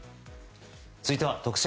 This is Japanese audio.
続いては特選！！